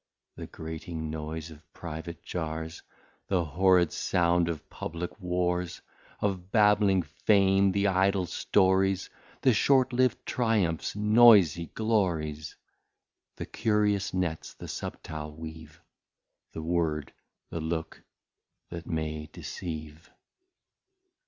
The grating Noise of Private Jars, The horrid sound of Publick Wars, Of babling Fame the Idle Stories, The short liv'd Triumphs Noysy Glories, The Curious Nets the subtile weave, The Word, the Look that may deceive.